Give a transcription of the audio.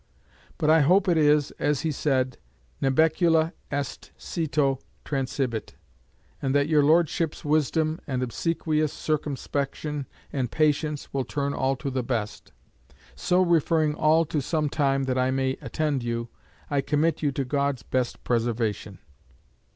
But I hope it is, as he said, Nubecula est, cito transibit, and that your Lordship's wisdom and obsequious circumspection and patience will turn all to the best. So referring all to some time that I may attend you, I commit you to God's best preservation."